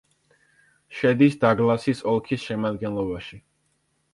შედის დაგლასის ოლქის შემადგენლობაში.